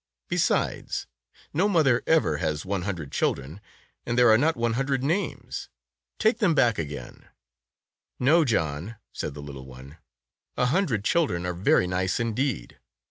Besides, no mother ever has one hundred children, and there are not one hundred names. Take them back again." "No, John," said the little one, "a hun Tales of Modern Germany 97 dred children are very nice indeed.